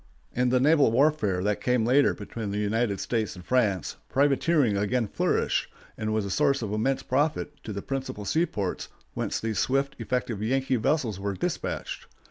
In the naval warfare that came later between the United States and France, privateering again flourished, and was a source of immense profit to the principal seaports whence these swift, effective Yankee vessels were despatched.